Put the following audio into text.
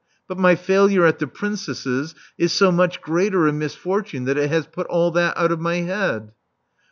But my failure at the Princess's is so much greater a misfortune that it has put all that out of my head.